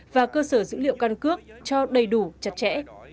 và cơ sở dữ liệu căn cước cho đầy đủ chặt chẽ